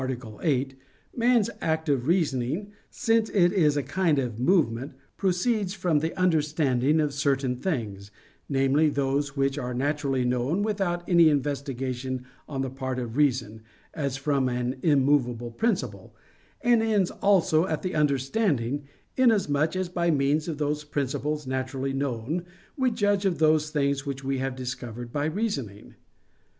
8), man's act of reasoning, since it is a kind of movement, proceeds from the understanding of certain things namely, those which are naturally known without any investigation on the part of reason, as from an immovable principle and ends also at the understanding, inasmuch as by means of those principles naturally known, we judge of those things which we have discovered by reasoning.